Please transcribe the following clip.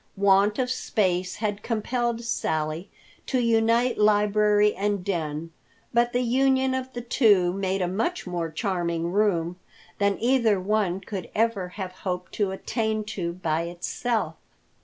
Want of space had compelled Sally to unite library and den, but the union of the two made a much more charming room than either one could ever have hoped to attain to by itself.